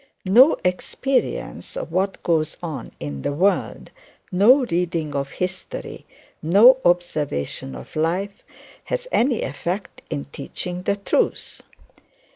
No experience of what goes on in the world, no reading of history, no observation of life, has any effect in teaching the truth.